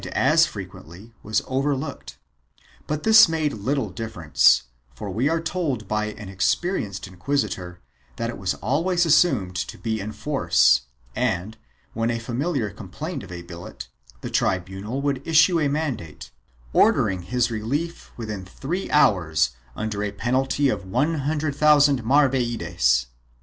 398 PRIVILEGES AND EXEMPTIONS [BOOK II frequently was overlooked, but this made little difference, for we are told by an experienced inquisitor that it was always assumed to be in force and, when a familiar complained of a billet, the tribunal would issue a mandate ordering his relief within three hours under a penalty of 100,000 mrs.